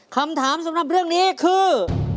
คำถามสำหรับเรื่องนี้คือ